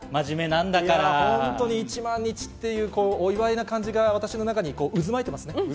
１万日っていうお祝いな感じが私の中に渦巻いていますね。